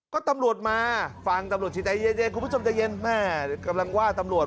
ก็ตำรวจมาฟังตำรวจชินใจเย็นครับกำลังว่าตำรวจ